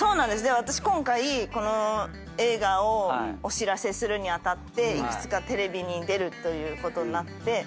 私今回この映画をお知らせするに当たって幾つかテレビに出るということになって。